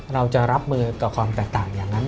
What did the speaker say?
เราจะรับมือกับความแตกต่างอย่างนั้น